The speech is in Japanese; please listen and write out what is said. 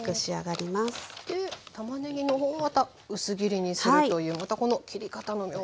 でたまねぎのほうまた薄切りにするというまたこの切り方の妙が。